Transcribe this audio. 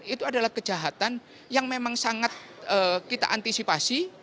itu adalah kejahatan yang memang sangat kita antisipasi